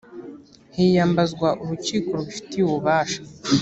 hiyambazwa urukiko rubifitiye ububasha